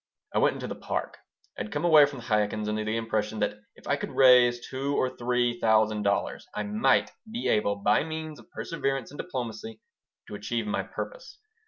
I went into the Park. I had come away from the Chaikins' under the impression that if I could raise two or three thousand dollars I might be able, by means of perseverance and diplomacy, to achieve my purpose.